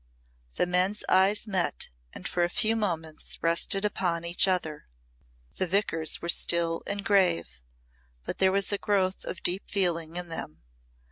The men's eyes met and for a few moments rested upon each other. The Vicar's were still and grave, but there was a growth of deep feeling in them.